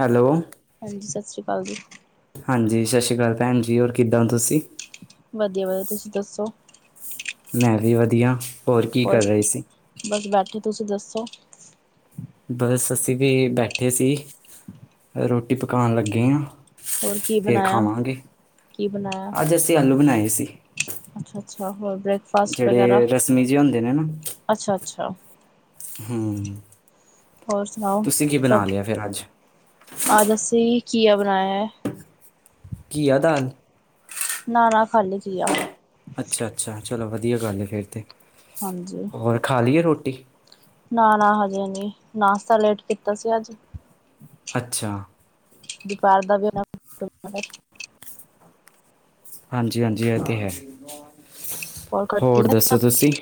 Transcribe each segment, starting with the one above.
Hello ਹਾਂਜੀ ਸਤਿ ਸ਼੍ਰੀ ਅਕਾਲ ਜੀ। ਹਾਂਜੀ ਸਤਿ ਸ਼੍ਰੀ ਅਕਾਲ ਭੈਣ ਜੀ ਹੋਰ ਕਿੱਦਾਂ ਹੋ ਤੁਸੀਂ? ਵਧੀਆ-ਵਧੀਆ ਤੁਸੀਂ ਦੱਸੋ? ਮੈਂ ਵੀ ਵਧੀਆ, ਹੋਰ ਕੀ ਕਰ ਰਹੇ ਸੀ? ਬਸ ਬੈਠੇ ਤੁਸੀਂ ਦੱਸੋ? ਬਸ ਅਸੀਂ ਵੀ ਬੈਠੇ ਸੀ, ਰੋਟੀ ਪਕਾਉਣ ਲੱਗੇ ਹਾਂ। ਹੋਰ ਕੀ ਫੇਰ ਬਣਾਇਆ ਖਾਵਾਂਗੇ। ਅੱਜ ਅਸੀਂ ਆਲੂ ਬਣਾਏ ਸੀ। ਅੱਛਾ-ਅੱਛਾ ਹੋਰ ਬ੍ਰੇਕਫਾਸਟ ਜਿਹੜੇ ਰਸਮੀ ਜੀ ਹੁੰਦੇ ਨੇ ਨਾ। ਅੱਛਾ-ਅੱਛਾ ਹੂੰ, ਹੋਰ ਸੁਣਾਓ ਤੁਸੀਂ ਕੀ ਬਣਾ ਸਭ ਲਿਆ ਫਿਰ ਅੱਜ? ਅੱਜ ਅਸੀਂ ਘੀਆ ਬਣਾਇਆ ਹੈ। ਘੀਆ ਦਾਲ? ਨਾ-ਨਾ ਖਾਲੀ ਜੀ ਆ। ਅੱਛਾ-ਅੱਛਾ ਚਲੋ ਵਧੀਆ ਗੱਲ ਹੈ ਫਿਰ ਤੇ। ਹਾਂਜੀ ਖਾਲ ਲਈ ਏ ਰੋਟੀ? ਨਾ-ਨਾ ਹਜੇ ਨੀ, ਨਾਸ਼ਤਾ ਲੇਟ ਕੀਤਾ ਸੀ ਅੱਜ। ਅੱਛਾ ਦੁਪਹਿਰ ਦਾ ਵੀ ਹਾਂਜੀ-ਹਾਂਜੀ ਇਹ ਤੇ ਹੈ। ਘਰ ਠੀਕ ਹੋਰ ਨੇ ਸਭ ਦੱਸੋ ਤੁਸੀਂ?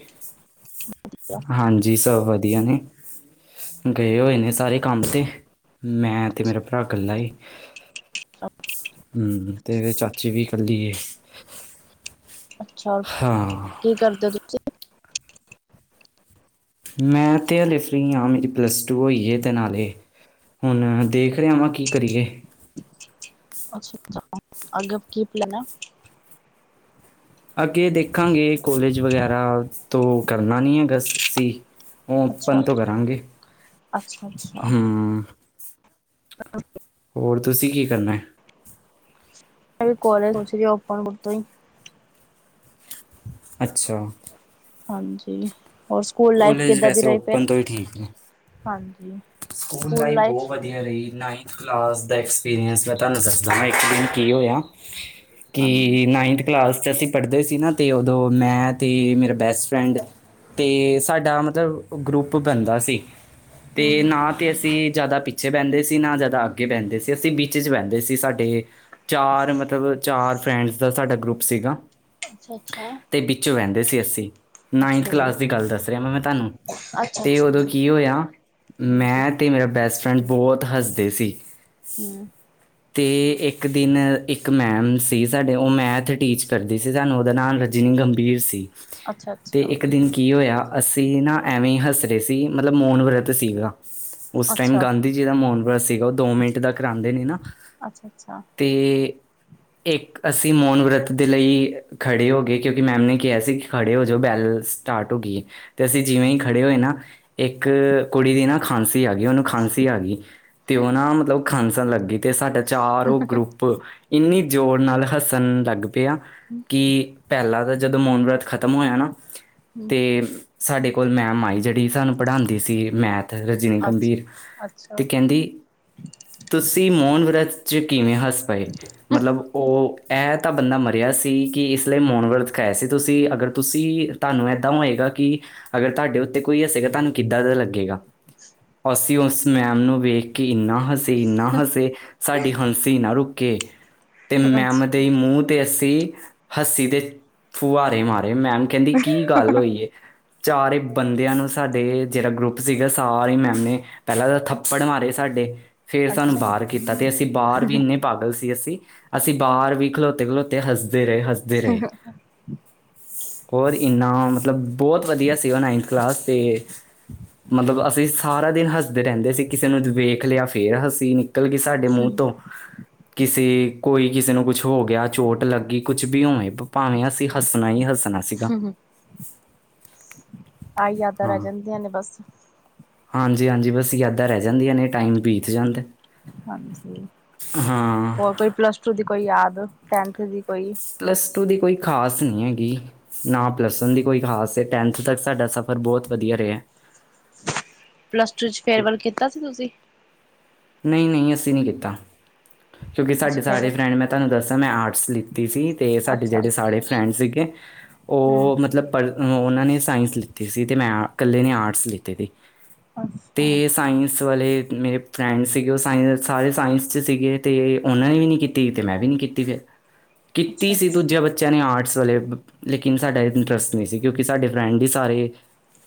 ਹਾਂਜੀ ਸਭ ਵਧੀਆ ਨੇ। ਗਏ ਹੋਏ ਨੇ ਸਾਰੇ ਕੰਮ ਤੇ ਮੈਂ, ਤੇ ਮੇਰਾ ਭਰਾ ਇਕੱਲਾ ਏ। ਹੂੰ ਤੇ ਇਹਦੇ ਚਾਚੇ ਵੀ ਕੱਲੀ ਏ। ਅੱਛਾ, ਹਾਂ ਕੀ ਕਰਦੇ ਹੋ ਤੁਸੀਂ? ਮੈਂ ਤੇ ਅਲੇ ਫਰੀ ਆ ਮਰੇ ਪਲੱਸ ਟੂ ਹੋਈ ਤੇ ਨਾਲੇ ਹੁਣ ਦੇਖ ਰਿਹਾ ਵਾਂ ਕੀ ਕਰੀਏ। ਅੱਛਾ-ਅੱਛਾ ਅੱਗੇ ਦਾ ਕੀ ਪਲੈਨ ਆ? ਅੱਗੇ ਦੇਖਾਂਗੇ ਕੋਲੇਜ ਵਗੈਰਾ, ਤੋਂ ਕਰਨਾ ਨਹੀਂ ਹੈਗਾ ਸੀ। ਉਹ ਓਪਨ ਅੱਛਾ ਤੋਂ ਕਰਾਂਗੇ, ਅੱਛਾ ਅੱਛਾ ਹੂੰ। ਹੋਰ ਤੁਸੀਂ ਕੀ ਕਰਨਾ ਏ? ਮੈਂ ਵੀ ਕੋਲਜ ਪਹੁੰਚ ਗਈ ਓਪਨ [unintelligible] ਅੱਛਾ ਹਾਂਜੀ, ਹੋਰ ਸਕੂਲ ਲਾਈਫ ਕੋਲੇਜ ਕਿਦਾਂ ਦੀ ਵੈਸੇ ਰਹੀ ਫਿਰ? ਓਪਨ ਤੋਂ ਹੀ ਠੀਕ ਨੇ ਹਾਂਜੀ ਸਕੂਲ ਲਾਈਫ ਬਹੁਤ ਵਧੀਆ ਰਹੀ ਨਾਈਨਥ ਕਲਾਸ ਦਾ ਐਕਸਪੀਰੀੰਸ ਮੈਂ ਤੁਹਾਨੂੰ ਦੱਸਦਾ। ਕੀ ਹੋਇਆ, ਹਾਂਜੀ ਕਿ ਨਾਈਨਥ ਕਲਾਸ ਚ ਅਸੀਂ ਪੜ੍ਹਦੇ ਸੀ ਨਾ ਤੇ ਉਦੋਂ ਮੈਂ ਤੇ ਮੇਰਾ ਬੈਸਟ ਫਰੈਂਡ ਤੇ ਸਾਡਾ ਮਤਲਬ ਗਰੁੱਪ ਬਣਦਾ ਸੀ, ਤੇ ਹੂੰ ਨਾ ਨਾ ਤੇ ਅਸੀਂ ਜ਼ਿਆਦਾ ਪਿੱਛੇ ਬਹਿੰਦੇ ਸੀ ਨਾ ਜ਼ਿਆਦਾ ਅੱਗੇ ਬਹਿੰਦੇ ਸੀ ਅਸੀਂ ਵਿੱਚ ਚ ਬਹਿੰਦੇ ਸੀ ਸਾਡੇ ਚਾਰ ਮਤਲਬ ਚਾਰ ਫਰੈਂਡਸ ਦਾ ਸਾਡਾ ਗਰੁੱਪ ਸੀਗਾ। ਅੱਛਾ-ਅੱਛਾ। ਤੇ ਵਿੱਚੋਂ ਵਹਿੰਦੇ ਸੀ ਅਸੀਂ ਨਾਈਨਥ ਜੀ ਕਲਾਸ ਦੀ ਗੱਲ ਦੱਸ ਰਿਹਾ ਵਾ ਮੈਂ ਤੁਹਾਨੂੰ, ਅੱਛਾ ਤੇ ਅੱਛਾ ਉਦੋਂ ਜੀ ਕੀ ਹੋਇਆ ਹਾਂਜੀ ਮੈਂ ਅਤੇ ਮੇਰਾ ਬੈਸਟ ਫਰੈਂਡ ਬਹੁਤ ਹੱਸਦੇ ਸੀ ਹੂ ਅਤੇ ਇੱਕ ਦਿਨ ਇੱਕ ਮੈਮ ਸੀ ਸਾਡੇ ਉਹ ਮੈਥ ਟੀਚ ਕਰਦੀ ਸੀ ਸਾਨੂੰ ਉਹਦਾ ਨਾਮ ਰ ਰਜਨੀ ਗੰਭੀਰ ਸੀ ਅੱਛਾ ਅਤੇ ਅੱਛਾ ਇੱਕ ਦਿਨ ਕੀ ਹੋਇਆ ਅਸੀਂ ਨਾ ਐਵੇਂ ਹੱਸ ਰ ਸੀ ਮਤਲਬ ਮੋਨ ਵਰਤ ਸੀਗਾ, ਉਸ ਟਾਈਮ ਅੱਛਾ ਗਾਂਧੀ ਜਿਹਦਾ ਮੋਨ ਬਰਤ ਸੀਗਾ ਉਹ ਦੋ ਮਿੰਟ ਦਾ ਕਰਾਉਂਦੇ ਨੇ ਨਾ, ਅੱਛਾ ਅੱਛਾ ਤੇ ਇੱਕ ਅਸੀਂ ਮੋਨ ਵਰਤ ਦੇ, ਲਈ ਖੜ੍ਹੇ ਹੋ ਗਏ! ਕਿਉਂਕਿ ਮੈਮ ਨੇ ਕਿਹਾ ਸੀ! ਕਿ ਖੜ੍ਹੇ ਹੋ ਜਾ ਬੈਲ ਸਟਾਰਟ ਹੋ ਗਈ। ਤੇ ਅਸੀਂ ਜਿਵੇਂ ਹੀ ਖੜੇ ਹੋਏ ਨਾ, ਇੱਕ ਕੁੜੀ ਦੀ ਨਾ ਖਾਂਸੀ ਆ ਗਈ ਉਹਨੂੰ ਖਾਂਸੀ ਆ ਗਈ, ਤੇ ਉਹ ਨਾ ਮਤਲਬ ਖਾਂਸਣ ਲੱਗੀ ਤੇ ਸਾਡਾ ਚਾਰ ਉਹ ਗਰੁੱਪ, ਇੰਨੀ ਜ਼ੋਰ ਨਾਲ ਹੱਸਣ ਲੱਗ ਪਿਆ ਹਮ ਕਿ ਪਹਿਲਾਂ ਤਾਂ ਜਦੋਂ ਮੋਨ ਵਰਤ ਖਤਮ ਹੋਇਆ ਨਾ ਹੂੰ ਤੇ, ਸਾਡੇ ਕੋਲ ਮੈਂ ਮਾਈ ਜਿਹੜੀ ਸਾਨੂੰ ਪੜ੍ਹਾਉਂਦੀ ਸੀ ਮੈਥ- ਰਜਨੀ ਅੱਛਾ ਗੰਭੀਰ ਅੱਛਾ ਤੇ ਕਹਿੰਦੀ ਤੁਸੀਂ ਮੋਨ ਵਰਤ 'ਚ ਕਿਵੇਂ ਹੱਸ ਪਏ ਮਤਲਬ ਉਹ ਇਹ ਤਾਂ ਬੰਦਾ ਮਰਿਆ ਸੀ ਕਿ ਇਸ ਲਈ ਮੋਨਵਰਤ ਰਖਾਇਆ ਸੀ ਤੁਸੀਂ, ਅਗਰ ਤੁਸੀਂ ਤੁਹਾਨੂੰ ਇਏਦਾਂ ਹੋਏਗਾ ਕਿ ਅਗਰ ਤੁਹਾਡੇ ਉੱਤੇ ਕੋਈ ਹੱਸੇਗਾ ਤੁਹਾਨੂੰ ਕਿੱਦਾਂ ਦਾ ਲੱਗੇਗਾ ਅਸੀਂ ਉਸ ਮੈਮ ਨੂੰ ਵੇਖ, ਕੇ ਇੰਨਾ ਹਸੇ ਇੰਨਾ ਹਸੇ ਸਾਡੀ ਹ ਸੀ ਨਾ ਰੁਕੇ ਤੇ ਅੱਛਾ ਮੈਂਮ ਦੇ ਮੂੰਹ, ਤੇ ਅੱਸੀ ਹੱਸੀ ਤੇ ਫੁਹਾਰੇ ਮਾਰੇ, ਮੈਮ ਕਹਿੰਦੀ ਕੀ-' ਗੱਲ ਹੋਈ ਏ ਚਾਰੇ ਬੰਦਿਆਂ ਨੂੰ ਸਾਡੇ ਜਿਹੜਾ ਗਰੁੱਪ ਸੀ ਸਾਰੇ ਮੈਮ ਨੇ ਪਹਿਲਾਂ ਤਾਂ ਥੱਪੜ ਮਾਰੇ ਸਾਡੇ। ਫਿਰ ਸਾਨੂੰ ਅੱਛਾ ਹੂੰ ਬਾਹਰ ਕੀਤਾ ਅਤੇ ਅਸੀਂ ਬਾਹਰ ਵੀ ਇੰਨੇ ਪਾਗਲ ਸੀ ਅਸੀਂ, ਅਸੀਂ ਬਾਹਰ ਵੀ ਖਲੋਤੇ ਖਲੋਤੇ ਹੱਸਦੇ ਰਹੇ ਹੱਸਦੇ ਰਹੇ ਹੋਰ ਇੰਨਾ ਮਤਲਬ ਬਹੁਤ ਵਧੀਆ ਸੀਗਾ ਨਾਈਨਥ ਕਲਾਸ ਤੇ, ਮਤਲਬ ਅਸੀਂ ਸਾਰਾ ਦਿਨ ਹੱਸਦੇ ਰਹਿੰਦੇ ਸੀ ਕਿਸੇ ਨੂੰ ਵੇਖ ਲਿਆ ਫਿਰ ਹਸੀ ਨੀ ਨਿਕਲ ਕੇ ਸਾਡੇ ਮੂੰਹ ਤੋਂ ਕਿਸੇ ਕੋਈ ਕਿਸੇ ਨੂੰ ਕੁਛ ਹੋ ਗਿਆ ਚੋਟ ਲੱਗੀ ਕੁਛ ਵੀ ਉਵੇਂ ਭਾਵੇਂ, ਅਸੀਂ ਹੱਸਣਾ ਹੀ ਹੱਸਣਾ ਸੀਗਾ ਆਈ ਯਾਦਾਂ ਹਾਂ ਰਹਿ ਜਾਂਦੀਆਂ ਨੇ ਬਸ ਹਾਂਜੀ ਹਾਂਜੀ, ਬਸ ਯਾਦਾਂ ਰਹਿ ਜਾਂਦੀਆਂ ਨੇ ਟਾਈਮ ਬੀਤ ਜਾਂਦੇ ਹਾਂਜੀ, ਹੋਰ ਕੋਈ ਪਲੱਸ ਟੂ ਦੀ ਕੋਈ ਯਾਦ, ਟੈਨਥ ਦੀ ਕੋਈ ਪਲੱਸ ਟੂ, ਦੀ ਕੋਈ ਖਾਸ ਨਹੀਂ ਹੈਗੀ ਨਾ ਪਲੱਸਨ ਦੀ ਕੋਈ ਖ਼ਾਸ, ਟੈਨਥ ਤੱਕ ਸਾਡਾ ਸਫ਼ਰ ਬਹੁਤ ਵਧੀਆ ਰਿਹਾ ਪਲੱਸ ਟੂ ਚ ਫੇਰਵੱਲ ਕੀਤਾ ਸੀ ਤੁਸੀਂ? ਨਹੀਂ ਨਹੀਂ, ਅਸੀਂ ਨਹੀਂ ਕੀਤਾ ਕਿਉਂਕਿ ਸਾਡੇ ਅੱਛਾ ਸਾਰੇ ਫੇਅਰਵੈਲ ਫਰੈਂਡ ਮੈਂ ਤੁਹਾਨੂੰ ਦੱਸਾਂ ਮੈਂ ਆਰਟਸ ਲਿੱਤੀ ਸੀ ਅਤੇ ਸਾਡੇ ਅੱਛਾ ਜਿਹੜੇ ਸਾਰੇ ਫਰੈਂਡ ਸੀਗੇ ਹੂੰ ਉਹ ਮਤਲਬ- ਪਰ ਉਹਨਾਂ ਨੇ ਸਾਇੰਸ ਲਿੱਤੀ ਸੀ ਤੇ ਮੈਂ ਇਕੱਲੇ ਨੇ ਆਰਟਸ ਲੀਤੀ ਸੀ। ਅੱਛਾ ਤੇ, ਸਾਇੰਸ ਵਾਲੇ ਮੇਰੇ ਫਰੈਂਡ ਸੀਗੇ ਉਹ ਸਾਇੰਸ ਸਾਰੇ ਸਾਇੰਸ 'ਚ, ਸੀਗੇ ਅਤੇ ਉਹਨਾਂ ਨੇ, ਵੀ ਨਹੀਂ ਕੀਤੀ ਅਤੇ ਮੈਂ, ਵੀ ਨਹੀਂ ਕੀਤੀ ਫਿਰ ਕੀਤੀ ਅੱਛਾ ਸੀ ਅੱਛਾ ਦੂਜੇ ਬੱਚਿਆ ਬੱਚਿਆਂ ਨੇ ਆਰਟਸ ਵਾਲੇ ਲੇਕਿਨ ਸਾਡਾ ਇੰਟਰਸਟ ਨਹੀਂ ਸੀ, ਕਿਉਂਕਿ ਸਾਡੇ ਫਰੈਂਡ ਹੀ ਸਾਰੇ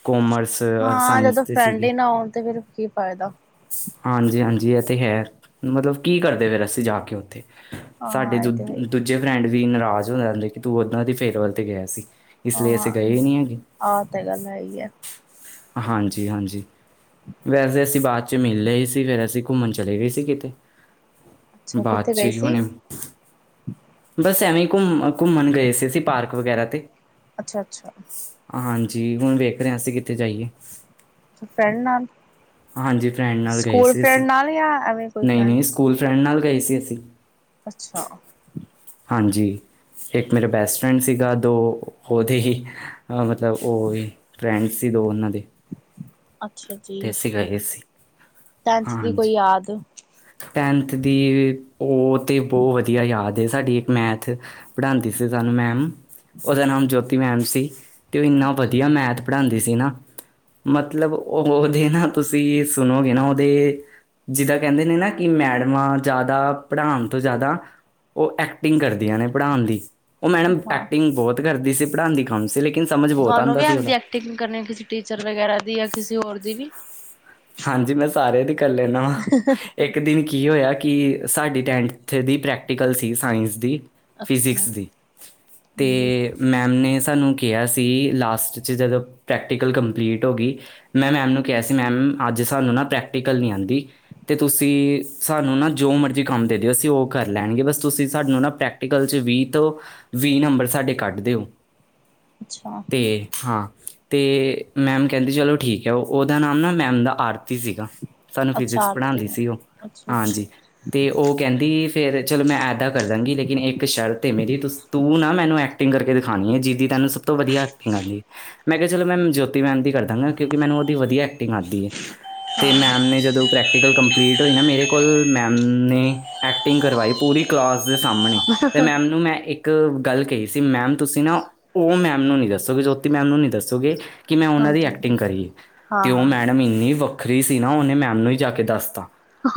ਕੋਮਰਸ ਔਰ ਹਾਂ, ਸਾਇੰਸ ਜਦੋਂ ਦੇ ਫਰੈਂਡ ਸੀਗੇ ਹੀ ਨਾ ਆਉਣ ਤੇ ਫਿਰ ਕੀ ਫਾਇਦਾ। ਹਾਂਜੀ ਹਾਂਜੀ ਇਹ ਤਾਂ ਹੈ, ਮਤਲਬ ਕੀ ਕਰਦੇ ਫਿਰ ਅਸੀਂ ਜਾ ਕੇ ਉੱਥੇ-' ਸਾਡੇ ਹਾਂ ਇਹ ਦੂ ਤੇ ਹੈ ਹੀ, ਦੂਜੇ ਫਰੈਂਡ ਵੀ ਨਾਰਾਜ਼ ਹੋ ਜਾਂਦੇ, ਕਿ ਤੂੰ ੳਨਾਂ ਦੀ ਫੇਅਰਵਲ ਤੇ ਗਿਆ ਸੀ। ਇਸ ਲਈ ਹਾਂ ਅਸੀੇ ਗਏ ਹੀ ਨਹੀਂ ਹੈਗੇ ਆਹ ਤਾਂ ਗੱਲ ਹੈ ਹੀ ਹੈ ਹਾਂਜੀ ਹਾਂਜੀ, ਵੈਸੇ ਅਸੀਂ ਬਾਅਦ ਚ ਮਿਲਲੇ ਹੀ ਸੀ ਫਿਰ ਅਸੀਂ ਘੁੰਮਣ ਚਲੇ ਗਏ ਸੀ ਕਿਤੇ, ਅੱਛਾ ਬਾਅਦ ਕਿੱਥੇ ਗਈ 'ਚ ਸੀ ਹੁਣੇ ਬਸ ਐਵੇਂ ਘੁੰਮ ਘੁੰਮਣ ਗਏ ਸੀ ਅਸੀ ਪਾਰਕ ਵਗੈਰਾ ਤੇ। ਅੱਛਾ-ਅੱਛਾ। ਹਾਂਜੀ ਹੁਣ ਵੇਖ ਰਹੇ ਹਾਂ ਅਸੀਂ ਕਿਥੇ ਜਾਈਏ। ਫਰੈਂਡ ਨਾਲ ਹਾਂਜੀ ਫਰੈਂਡ ਨਾਲ ਗਏ ਸਕੂਲ ਸੀ ਫਰੈਂਡ ਅਸੀਂ ਨਾਲ ਜਾਂ ਐਵੇਂ ਕੋਈ ਫਰੈਂਡ। ਨਹੀਂ-ਨਹੀਂ ਸਕੂਲ ਫਰੈਂਡ ਨਾਲ ਗਏ ਸੀ ਅਸੀਂ। ਅੱਛਾ। ਹਾਂਜੀ ਇੱਕ ਮੇਰਾ ਬੈਸਟ ਫਰੈਂਡ ਸੀਗਾ। ਦੋ ਉਹਦੇ ਹੀ ਅ ਮਤਲਬ ਉਹ ਵੀ ਫਰੈਂਡ ਸੀ ਦੋ ਉਹਨਾਂ ਦੇ। ਅੱਛਾ ਜੀ ਅਤੇ ਅਸੀਂ ਗਏ ਸੀ ਟੈਂਥ ਦੀ ਕੋਈ ਯਾਦ। ਟੈਨਥ ਦੀ ਉਹ ਤੇ ਬਹੁਤ ਵਧੀਆ ਯਾਦ ਸਾਡੀ ਇੱਕ ਮੈਥ ਪੜ੍ਹਾਉਂਦੀ ਸੀ ਸਾਨੂੰ ਮੈਮ ਉਹਦਾ ਨਾਮ ਜੋਤੀ ਮੈਮ ਸੀ ਤੇ ਉਹ ਇੰਨਾ ਵਧੀਆ ਮੈਥ ਪੜ੍ਹਾਉਂਦੀ ਸੀ ਨਾ। ਮਤਲਬ ਉਹਦੇ ਨਾ, ਤੁਸੀਂ ਸੁਣੋਗੇ ਨਾ, ਉਹਦੇ ਜਿਦੇ ਕਹਿੰਦੇ ਨੇ ਨਾ ਕਿ ਮੈਡਮਾਂ ਜ਼ਿਆਦਾ ਪੜ੍ਹਾਉਣ ਤੋਂ ਜ਼ਿਆਦਾ ਉਹ ਐਕਟਿੰਗ ਕਰਦੀਆਂ ਨੇ ਪੜ੍ਹਾਉਣ ਦੀ ਉਹ ਮੈਡਮ ਹਾਂ ਐਕਟਿੰਗ ਬਹੁਤ ਕਰਦੀ ਸੀ ਪੜ੍ਹਾਉਣ ਦੀ ਕੰਮ ਸੀ ਲੇਕਿਨ ਸਮਝ ਬਹੁਤ ਤੁਹਾਨੂੰ ਆਉਂਦਾ ਵੀ ਸੀ ਆਉਂਦੀ ਉਹਦਾ ਐਕਟਿੰਗ ਕਰਨੀ ਕਿਸੇ ਟੀਚਰ ਵਗੈਰਾ ਦੀ ਜਾਂ ਕਿਸੇ ਹੋਰ ਦੀ ਵੀ। ਹਾਂਜੀ ਮੈਂ ਸਾਰਿਆਂ ਦੀ ਕਰ ਲੈਣ। ਇੱਕ ਦਿਨ ਕੀ ਹੋਇਆ ਕਿ ਸਾਡੀ ਟੈਂਥ ਦੀ ਪ੍ਰੈਕਟੀਕਲ ਸੀ ਸਾਇੰਸ ਦੀ ਅੱਛਾ ਫਿਜਿਕਸ ਦੀ ਤੇ ਹਾਂਜੀ ਮੈਮ ਨੇ ਸਾਨੂੰ ਕਿਹਾ ਸੀ ਲਾਸਟ 'ਚ ਜਦੋਂ ਪ੍ਰੈਕਟੀਕਲ ਕੰਪਲੀਟ ਹੋ ਗਈ। ਮੈਂ ਮੈਮ ਨੂੰ ਕਿਹਾ ਸੀ ਮੈਮ ਅੱਜ ਸਾਨੂੰ ਨਾ ਪ੍ਰੈਕਟੀਕਲ ਨਹੀਂ ਆਉਂਦੀ ਤੇ ਤੁਸੀਂ ਸਾਨੂੰ ਨਾ ਜੋ ਮਰਜ਼ੀ ਕੰਮ ਦੇ ਦਿਓ ਅਸੀਂ ਉਹ ਕਰ ਲੈਣਗੇ ਬਸ ਤੁਸੀਂ ਸਾਨੂੰ ਨਾ ਪ੍ਰੈਕਟੀਕਲ 'ਚ ਵੀਹ ਤੋਂ ਵੀਹ ਨੰਬਰ ਸਾਡੇ ਕੱਢ ਦਿਓ। ਅੱਛਾ। ਤੇ ਹਾਂ ਤੇ ਮੈਮ ਕਹਿੰਦੀ ਚਲੋ ਠੀਕ ਹੈ ਉਹ ਉਹਦਾ ਨਾਮ ਨਾ ਮੈਮ ਦਾ ਆਰਤੀ ਸੀਗਾ ਸਾਨੂੰ ਅੱਛਾ ਫਿਜਿਕਸ ਆਰਤੀ ਪੜ੍ਹਾਉਂਦੀ ਸੀ ਉਹ ਅੱਛਾ ਅੱਛਾ ਹਾਂਜੀ। ਤੇ ਉਹ ਕਹਿੰਦੀ ਫਿਰ ਚਲੋ ਮੈਂ ਇਦਾਂ ਕਰ ਦਾਂਗੀ ਲੇਕਿਨ ਇੱਕ ਸ਼ਰਤ ਹੈ ਮੇਰੀ ਤੁਸੀਂ ਤੂੰ ਨਾ ਮੈਨੂੰ ਐਕਟਿੰਗ ਕਰਕੇ ਦਿਖਾਉਣੀ ਏ ਜਿਦੀ ਤੈਨੂੰ ਸਭ ਤੋਂ ਵਧੀਆ ਐਕਟਿੰਗ ਆਉਂਦੀ ਏ। ਮੈਂ ਕਿਹਾ ਚਲੋ ਮੈਂ ਜੋਤੀ ਮੈਮ ਦੀ ਕਰ ਦਾਂਗਾ ਕਿਉਂਕਿ ਮੈਨੂੰ ਉਹਦੀ ਵਧੀਆ ਐਕਟਿੰਗ ਆਦੀ ਹੈ। ਹਾਂ ਤੇ ਮੈਮ ਨੇ ਜਦੋਂ ਪ੍ਰੈਕਟੀਕਲ ਕੰਪਲੀਟ ਹੋਈ ਨਾ ਮੇਰੇ ਕੋਲ ਮੈਮ ਨੇ ਐਕਟਿੰਗ ਕਰਵਾਈ ਪੂਰੀ ਕਲਾਸ ਦੇ ਸਾਹਮਣੇ ਤੇ ਮੈਮ ਨੂੰ ਮੈਂ ਇੱਕ ਇੱਕ ਗੱਲ ਕਹੀ ਸੀ ਮੈਮ ਤੁਸੀਂ ਨਾ ਉਹ ਮੈਮ ਨੂੰ ਨਹੀਂ ਦੱਸੋਗੇ ਜੋਤੀ ਮੈਮ ਨੂੰ ਨਹੀਂ ਦੱਸੋਗੇ ਕਿ ਮੈਂ ਉਹਨਾਂ ਦੀ ਹਾਂਜੀ ਐਕਟਿੰਗ ਕਰੀਏ ਹਾਂ ਤੇ ਉਹ ਹਾਂ ਮੈਡਮ ਇੰਨੀ ਵੱਖਰੀ ਸੀ ਨਾ ਉਹਨੇ ਮੈਮ ਨੂੰ ਹੀ ਜਾ ਕੇ ਦੱਸਤਾ।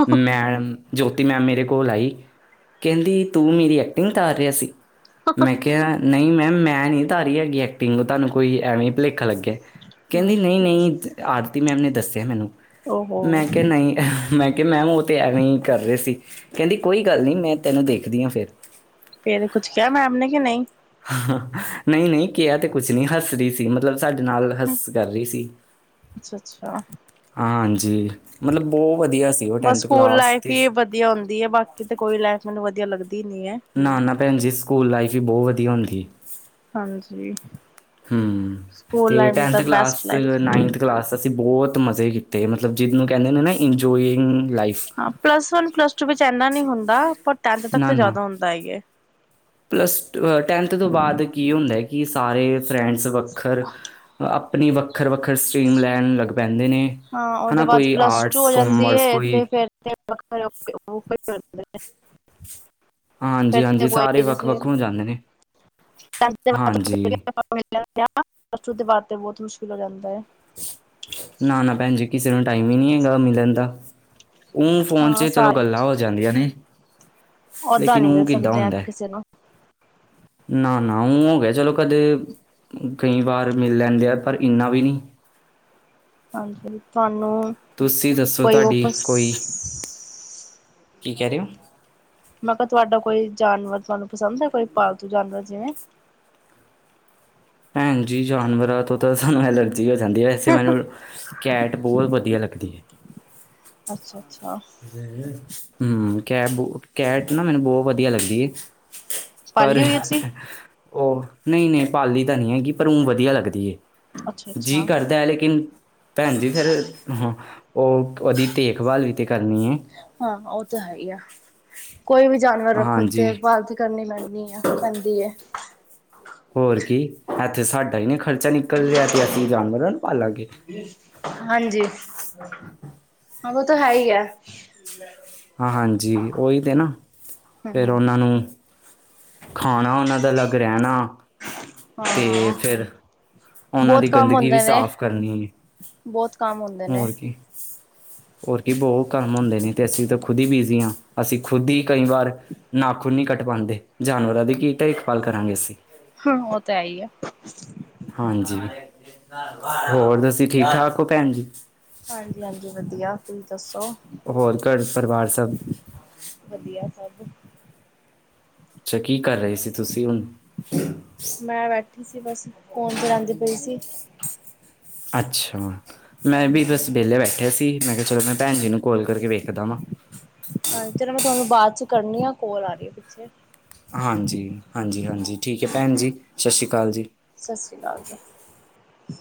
ਮੈਮ ਜੋਤੀ ਮੈਮ ਮੇਰੇ ਕੋਲ ਆਈ ਕਹਿੰਦੀ ਤੂੰ ਮੇਰੀ ਐਕਟਿੰਗ ਤਾਰ ਰਿਹਾ ਸੀ। ਮੈਂ ਕਿਹਾ ਨਹੀਂ ਮੈ ਮੈਮ ਨਹੀਂ ਤਾਰੀ ਹੈਗੀ ਐਕਟਿੰਗ ਓਹ ਤੁਹਾਨੂੰ ਕੋਈ ਐਵੇਂ ਭੁਲੇਖਾ ਲੱਗਿਆ। ਹਮ ਕਹਿੰਦੀ ਨਹੀਂ ਨਹੀਂ ਆਰਤੀ ਮੈਮ ਨੇ ਦੱਸਿਆ ਮੈਨੂੰ। ਓਹੋ ਮੈਂ ਕਿਹਾ ਨਹੀਂ ਮੈਂ ਕਿਹਾ ਮੈਮ ਐਵੇਂ ਹੀ ਕਰ ਰਹੇ ਸੀ ਕਹਿੰਦੀ ਕੋਈ ਗੱਲ ਨਹੀਂ ਮੈਂ ਤੈਨੂੰ ਦੇਖਦੀ ਹਾਂ ਫੇਰ ਫੇਰ ਕੁਛ ਕਿਹਾ ਮੈਮ ਨੇ ਕਿ ਨਹੀਂ। ਨਹੀਂ ਨਹੀਂ ਕਿਹਾ ਤੇ ਕੁਛ ਨਹੀਂ ਹੱਸ ਰਹੀ ਸੀ ਮਤਲਬ ਸਾਡੇ ਨਾਲ ਹੱਸ ਕਰ ਰਹੀ ਸੀ। [inaudible] ਅੱਛਾ ਅੱਛਾ। ਹਾਂਜੀ ਮਤਲਬ ਬਹੁਤ ਵਧੀਆ ਸੀ। ਉਹ ਬਸ ਸਕੂਲ ਕਲਾਸ ਲਾਈਫ ਤੇ ਹੀ ਵਧੀਆ ਹੁੰਦੀ ਹੈ ਬਾਕੀ ਤਾਂ ਕੋਈ ਲਾਈਫ ਮੈਨੂੰ ਵਧੀਆ ਲੱਗਦੀ ਨੀ ਹੈ। ਨਾ ਨਾ ਭੈਣ ਜੀ ਸਕੂਲ ਲਾਈਫ ਹੀ ਬਹੁਤ ਵਧੀਆ ਹੁੰਦੀ। ਹਾਂਜੀ ਹੂੰ ਸਕੂਲ ਤੇ ਲਾਈਫ ਇਜ਼ ਟੈਂਥ ਦਾ class best life. Ninth class ਅਸੀਂ ਬਹੁਤ ਮਜ਼ੇ ਕੀਤੇ ਮਤਲਬ ਜਿਹਨੂੰ ਕਹਿੰਦੇ ਨੇ ਨਾ ਇੰਜੋਇੰਗ ਲਾਈਫ। ਹਾਂ ਪਲੱਸ ਵਨ ਪਲੱਸ ਟੂ ਵਿੱਚ ਇੰਨਾ ਨਹੀਂ ਹੁੰਦਾ ਪਰ ਟਥ ਤੱਕ ਨਾ, ਤੇ ਨਾ। ਜ਼ਿਆਦਾ ਹੁੰਦਾ ਹੀ ਹੈ। ਪਲੱਸ ਟੈਂਨਥ ਤੋਂ ਬਾਅਦ ਕੀ ਹੁੰਦਾ ਕਿ ਸਾਰੇ ਫਰੈਂਡਸ ਵੱਖਰ, ਆਪਣੀ ਵੱਖਰ- ਵੱਖਰ ਟੀਮ ਲੈਣ ਲੱਗ ਪੈਂਦੇ ਨੇ। ਹਾਂ, ਉਹਦੇ ਹਨਾ ਬਾਅਦ ਕੋਈ ਪਲੱਸ ਟੂ ਆਰਟਸ ਹੋ ਜਾਂਦੀ ਕਾਮਰਸ ਹੈ ਤੇ ਕੋਈ ਫੇਰ [unintelligible] ਹਾਂਜੀ-ਹਾਂਜੀ ਕੋਈ ਸਾਰੇ ਜੈਸੇ ਵੱਖ-ਵੱਖ ਹੋ ਜਾਂਦੇ ਨੇ। [unintelligible] ਹਾਂਜੀ ਤੇ ਬਹੁਤ ਮੁਸ਼ਕਿਲ ਹੋ ਜਾਂਦਾ ਹੈ। ਨਾ -ਨਾ ਭੈਣ ਜੀ, ਕਿਸੇ ਨੂੰ ਟਾਈਮ ਹੀ ਨਹੀਂੀ ਹੈਗਾ ਮਿਲਣ ਦਾ। ਉਹਊ ਫੋਨ 'ਚ ਹਾਂ ਚਲੋ ਸਾਰੇ ਗੱਲਾਂ ਹੋ ਜਾਂਦੀਆਂ ਨੇ, ਲੇਕਿਨ ਉਹ ਕਿੱਦਾਂ ਹੁੰਦਾ। ਜਨੋ। ਨਾ- ਨਾ ਉਂ ਹੋ ਗਿਆ ਚਲੋ ਕਦੇ, ਕਈ ਵਾਰ ਮਿਲ ਲੈਂਦੇ ਆ, ਪਰ ਇੰਨਾ ਵੀ ਨਹੀਂ। ਹਾਂਜੀ ਤੁਹਾਨੂੰ ਤੁਸੀਂ ਦੱਸੋ ਕੋਈ ਉਹ ਤੁਹਾਡੀ, ਪਸ ਕੋਈ, ਕੀ ਕਹਿ ਰਹੇ ਹੋ? ਮੈਂ ਕਿਹਾ ਤੁਹਾਡਾ ਕੋਈ ਜਾਨਵਰ ਤੁਹਾਨੂੰ ਪਸੰਦ ਹੈ ਕੋਈ, ਪਾਲਤੂ ਜਾਨਵਰ ਜਿਵੇਂ ਭੈਣ ਜੀ ਜਾਨਵਰਾਂ ਤੋਂ ਤਾਂ ਸਾਨੂੰ ਐਲਰਜੀ ਹੋ ਜਾਂਦੀ ਹੈ, ਵੈਸੇ ਮੈਨੂੰ ਕੈਟ ਬਹੁਤ ਵਧੀਆ ਲੱਗਦੀ ਏ। ਅੱਛਾ- ਅੱਛਾ। ਹੂ, ਕੈ ਕੈਟ ਨਾ ਮੈਨੂੰ ਬਹੁਤ ਵਧੀਆ ਲੱਗਦੀ ਐ। ਪਾਲੀ ਪਰ, ਹੋਈ ਤੁਸੀਂ ਉਹ, ਨਹੀਂ- ਨਹੀਂ ਪਾਲੀ ਤਾਂ ਨਹੀਂ ਹੈਗੀ ਪਰ ਉਂ ਵਧੀਆ ਲੱਗਦੀ ਐ। ਅੱਛਾ ਜੀ ਅੱਛਾ ਕਰਦਾ ਹੈ ਲੇਕਿਨ ਭੈਣ ਜੀ ਫੇਰ, ਹਾਂ ਉਹ, ਉਹਦੀ ਦੇਖਭਾਲ ਵੀ ਤੇ ਕਰਨੀ ਹੈ। ਹਾਂ, ਉਹ ਤਾਂ ਹੈ ਹੀ ਆ, ਕੋਈ ਵੀ ਜਾਨਵਰ ਰੱਖੋ ਹਾਂਜੀ ਦੇਖਭਾਲ ਕਰਨੀ ਪੈਂਨੀ ਆ, ਪੈਂਦੀ। ਹੋਰ ਕੀ, ਇੱਥੇ ਸਾਡਾ ਹੀ ਨਹੀਂ ਖਰਚਾ ਨਿਕਲ ਰਿਹਾ ਤੇ ਅਸੀਂ ਜਾਨਵਰਾਂ ਨੂੰ ਪਾਲਾਂਗੇ। ਹਾਂਜੀ। ਹਾਂ ਉਹ ਤਾਂ ਹੈ ਹੀ ਹੈ। ਹਾਂ, ਹਾਂਜੀ। ਉਹੀ ਤੇ ਨਾ, ਹਮ ਫੇਰ ਉਹਨਾਂ ਨੂੰ ਖਾਣਾ ਉਹਨਾਂ ਦਾ ਅਲੱਗ ਰਹਿਣਾ। ਤੇ ਹਾਂ ਫਿਰ ਉਹਨਾਂ ਦੀ ਬਹੁਤ ਕੰਮ ਗੰਦਗੀ ਵੀ ਹੁੰਦੇ ਨੇ ਸਾਫ਼ ਕਰਨੀ ਐਂ। ਬਹੁਤ ਕੰਮ ਹੁੰਦੇ ਨੇ। ਹੋਰ ਕੀ ਬਹੁਤ ਕੰਮ ਹੁੰਦੇ ਨੇ ਤੇ ਅਸੀਂ ਤਾਂ ਖੁਦ ਹੀ ਬਿਜ਼ੀ ਹਾਂ, ਅਸੀਂ ਖੁਦ ਹੀ ਕਈ ਵਾਰ ਨਾਖੁਨ ਨੀ ਕੱਟ ਪਾਉਂਦੇ, ਜਾਨਵਰਾਂ ਦੀ ਕੀ ਦੇਖਭਾਲ ਕਰਾਂਗੇ ਅਸੀਂ। ਹਾਂ, ਉਹ ਤਾਂ ਹੈ ਹੀ ਆ। ਹਾਂਜੀ। ਹੋਰ ਤੁਸੀਂ ਠੀਕ- ਠਾਕ ਹੋ ਭੈਣ ਜੀ। ਹਾਂਜੀ- ਹਾਂਜੀ। ਵਧੀਆ ਤੁਸੀਂ ਦੱਸੋ? ਹੋਰ ਘਰ ਪਰਿਵਾਰ ਸਭ ਵਧੀਆ ਸਭ। ਅੱਛਾ, ਕੀ ਕਰ ਰਹੇ ਸੀ ਤੁਸੀਂ ਹੁਣ? ਮੈਂ ਬੈਠੀ ਸੀ ਬਸ, ਫੋਨ ਚਲਾਦੀ ਪਈ ਸੀ। ਅੱਛਾ। ਮੈਂ ਵੀਦ ਹਾਂਜੀ ਵੇਲੇ ਬੈਠੇ ਸੀ। ਮੈਂ ਕਿਹਾ ਚਲੋ ਮੈਂ ਭੈਣ ਜੀ ਨੂੰ ਕੋਲ ਕਰਕੇ ਵੇਖਦਾ ਵਾਂ। ਹਾਂਜੀ। ਚਲੋ, ਮੈਂ ਤੁਹਾਨੂੰ ਬਾਅਦ ਚ' ਕਰਨੀ ਆ ਕੋਲ ਆ ਰਹੀ ਹ ਪਿੱਛੇ। ਹਾਂਜੀ। ਹਾਂਜੀ- ਹਾਂਜੀ ਠੀਕ ਹੈ ਭੈਣ ਜੀ, ਸਤਿ ਸ਼੍ਰੀ ਅਕਾਲ ਜੀ। ਸਤਿ ਸ਼੍ਰੀ ਅਕਾਲ ਜੀ।